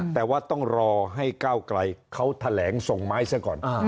แต่ว่าต้องรอให้ก้าวไกลเขาแถลงส่งไม้ซะก่อน